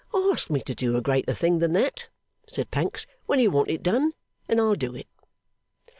'Ask me to do a greater thing than that,' said Pancks, 'when you want it done, and I'll do it.